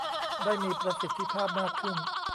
ได้มีประสิทธิภาพมากขึ้น